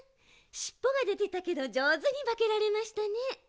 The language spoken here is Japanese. しっぽがでてたけどじょうずにばけられましたね。